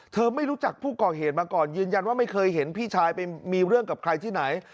ไม่รู้จักผู้ก่อเหตุมาก่อนยืนยันว่าไม่เคยเห็นพี่ชายไปมีเรื่องกับใครที่ไหน